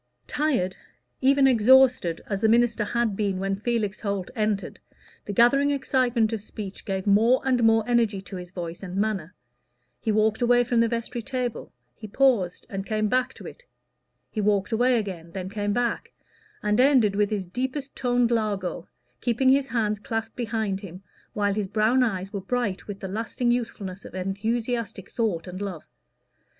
Tired, even exhausted, as the minister had been when Felix Holt entered, the gathering excitement of speech gave more and more energy to his voice and manner; he walked away from the vestry table, he paused, and came back to it; he walked away again, then came back, and ended with his deepest toned largo, keeping his hands clasped behind him, while his brown eyes were bright with the lasting youthfulness of enthusiastic thought and love.